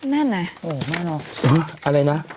นั่นไงโอ้โฮไม่รอบอะไรนะ